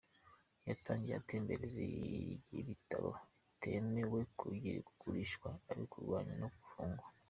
Yatangiye atembereza ibitabo bitemewe kugurishwa , abikurwamo no gufungwa .